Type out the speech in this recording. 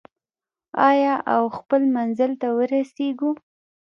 آیا او خپل منزل ته ورسیږو؟